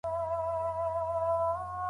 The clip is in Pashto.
ايمان ستاسو رڼا ده.